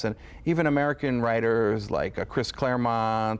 แบบอเมริกันแบบคริสแคลร์มอนท์